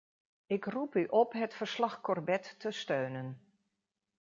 Ik roep u op het verslag-Corbett te steunen.